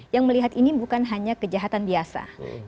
yang melihat ini bukan hanya kejahatan biasa